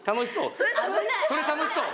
それ楽しそう？